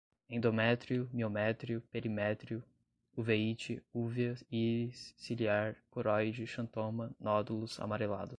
endométrio, miométrio, perimétrio, uveíte, úvea, íris, ciliar, coroide, xantoma, nódulos, amarelados